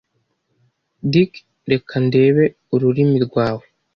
Dick, reka ndebe ururimi rwawe.